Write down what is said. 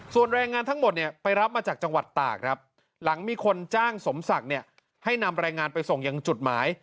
ส่วนแรงงานทั้งหมดเนี่ยไปรับมาจากจังหวัดตากครับหลังมีคนจ้างสมศักดิ์เนี่ยให้นำแรงงานไปส่งยังจุดหมาย